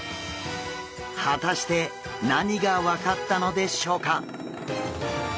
果たして何が分かったのでしょうか？